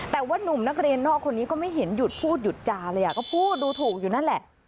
แต่ว่านุ่มนักเรียนนอกคนนี้ก็ไม่เห็นหยุดพูดหยุดจาเลยก็พูดดูถูกอยู่นั่นแหละ